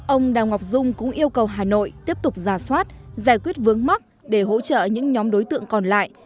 ông đào ngọc dung cũng yêu cầu hà nội tiếp tục giả soát giải quyết vướng mắc để hỗ trợ những nhóm đối tượng còn lại